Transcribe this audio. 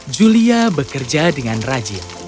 julia bekerja dengan rajin